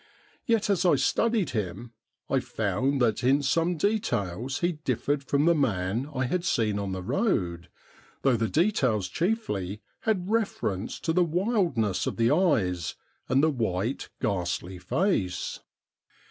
Yet as I studied him I found that in some details he differed from the man I had seen on the road, though the details chiefly had reference to the wildness of the eyes, and the white, ghastly face.